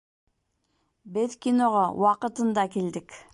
Беҙ киноға ваҡытында килдек.